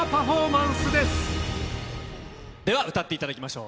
では歌っていただきましょう。